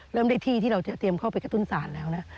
เริ่มได้ที่ที่เราเตรียมเข้าไปกระตุ้นศาลแล้วนะ